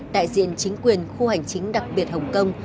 đại diện chính quyền khu hành chính đặc biệt hồng kông